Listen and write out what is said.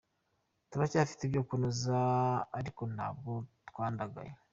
Turacyafite ibyo kunoza ariko ntabwo twagandaye.